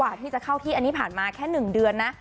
ที่จะเข้าที่อันนี้ผ่านมาแค่๑เดือนนะ